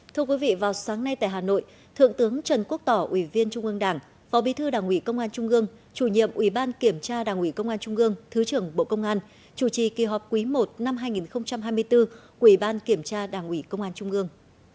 thưa quý vị vào sáng nay tại hà nội thượng tướng trần quốc tỏ ủy viên trung ương đảng phó bí thư đảng ủy công an trung ương chủ nhiệm ủy ban kiểm tra đảng ủy công an trung ương thứ trưởng bộ công an chủ trì kỳ họp quý i năm hai nghìn hai mươi bốn ủy ban kiểm tra đảng ủy công an trung ương